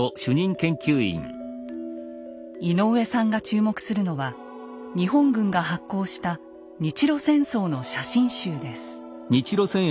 井上さんが注目するのは日本軍が発行した日露戦争の写真集です。